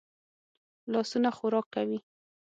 لاسونه خوراک کوي